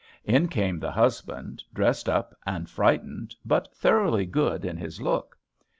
In came the husband, dressed up, and frightened, but thoroughly good in his look.